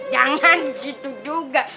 jangan disitu juga